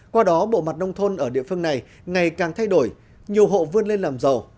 qua đó bộ mặt nông thôn ở địa phương này ngày càng thay đổi nhiều hộ vươn lên làm giàu